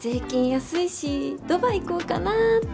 安いしドバイ行こうかなって。